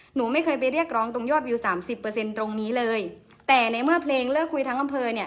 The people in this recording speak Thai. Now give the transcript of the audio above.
หนูไม่เคยไปเรียกร้องตรงยอดวิวสามสิบเปอร์เซ็นต์ตรงนี้เลยแต่ในเมื่อเพลงเลิกคุยทั้งอำเภอเนี่ย